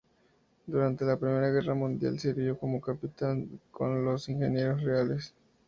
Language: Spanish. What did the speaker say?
Durante la Primera Guerra Mundial sirvió como capitán con los Ingenieros Reales.